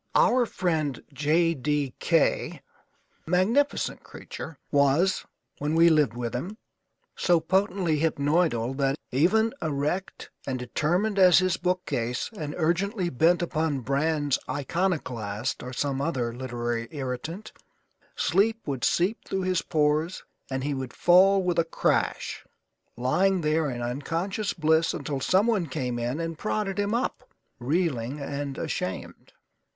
Our friend J D K , magnificent creature, was (when we lived with him) so potently hypnoidal that, even erect and determined as his bookcase and urgently bent upon Brann's Iconoclast or some other literary irritant, sleep would seep through his pores and he would fall with a crash, lying there in unconscious bliss until someone came in and prodded him up, reeling and ashamed.